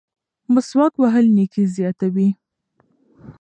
مسواک وهل نیکي زیاتوي.